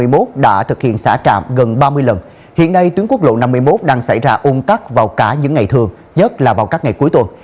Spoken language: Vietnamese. trạm thu phí tiến quốc lộ năm mươi một đã thực hiện xã trạm gần ba mươi lần hiện nay tiến quốc lộ năm mươi một đang xảy ra ôn tắc vào cả những ngày thường nhất là vào các ngày cuối tuần